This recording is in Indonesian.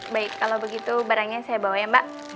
baik kalau begitu barangnya saya bawa ya mbak